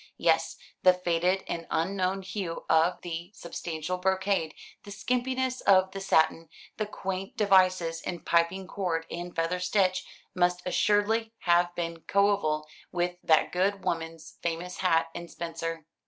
Yes, the faded and unknown hue of the substantial brocade, the skimpiness of the satin, the quaint devices in piping cord and feather stitch must assuredly have been coeval with that good woman's famous hat and spencer.